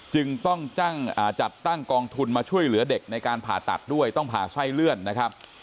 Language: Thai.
จึงต้องจัดตั้งกองทุนมาช่วยเหลือเด็กในการผ่าตัดด้วยต้องผ่าไส้เลื่อนนะครับ